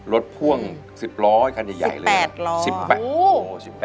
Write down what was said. รถพ่วง๑๐ล้ออีกครั้งใหญ่เลย